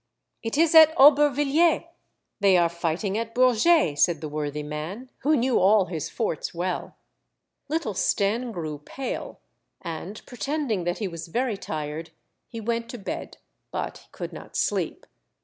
" It is at Aubervilliers. They are fighting at Bourget," said the worthy man, who knew all his forts well. Little Stenne grew pale, and, pretend ing that he was very tired, he went to bed, but he could not sleep.